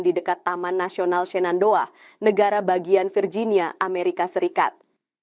di dekat taman nasional senandoa negara bagian virginia amerika serikat